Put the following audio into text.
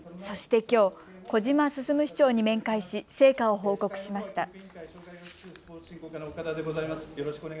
そしてきょう、小島進市長に面会し成果を報告しました。